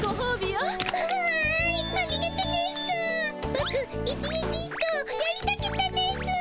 ボク１日１個やりとげたですぅ。